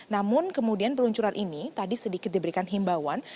namun kemudian peluncuran ini tadi sedikit diberikan himbauan